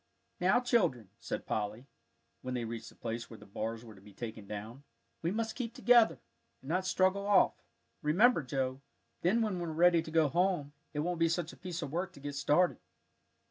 "Now, children," said Polly, when they reached the place where the bars were to be taken down, "we must keep together, and not straggle off. Remember, Joe; then when we're ready to go home, it won't be such a piece of work to get started."